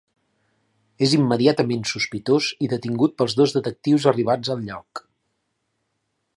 És immediatament sospitós i detingut pels dos detectius arribats al lloc.